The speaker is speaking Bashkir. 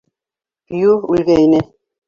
Пью үлгәйне.